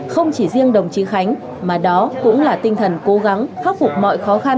không chỉ riêng đồng chí khánh mà đó cũng là tinh thần cố gắng khắc phục mọi khó khăn